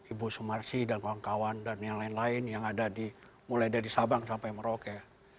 ibu sumarsi dan kawan kawan dan yang lain lain yang ada mulai dari sabang sampai merauke